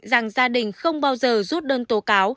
rằng gia đình không bao giờ rút đơn tố cáo